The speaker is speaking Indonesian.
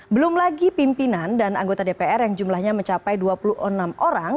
belum lagi pimpinan dan anggota dpr yang jumlahnya mencapai dua puluh enam orang